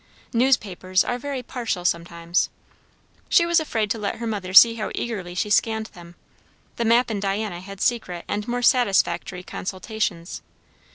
Newspapers are very partial sometimes. She was afraid to let her mother see how eagerly she scanned them. The map and Diana had secret and more satisfactory consultations.